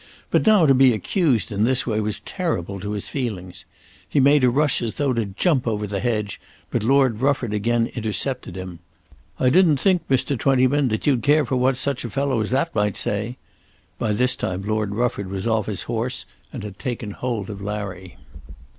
But now to be accused in this way was terrible to his feelings! He made a rush as though to jump over the hedge, but Lord Rufford again intercepted him. "I didn't think, Mr. Twentyman, that you'd care for what such a fellow as that might say." By this time Lord Rufford was off his horse, and had taken hold of Larry.